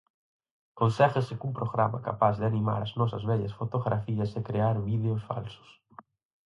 Conséguese cun programa capaz de animar as nosas vellas fotografías e crear vídeos falsos.